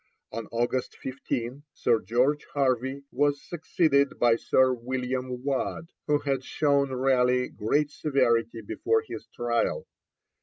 On August 15, Sir George Harvey was succeeded by Sir William Waad, who had shown Raleigh great severity before his trial.